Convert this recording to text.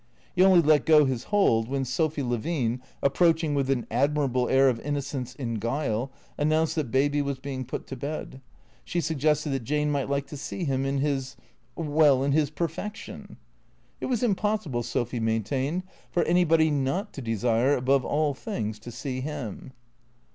He only let go his hold when Sophy Levine, approaching with an admirable air of innocence in guile, an nounced that Baby was being put to bed. She suggested that Jane might like to see him in his — well, in his perfection. It was impossible, Sophy maintained, for anybody not to desire above all things to see him.